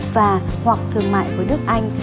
và hoặc thương mại với nước anh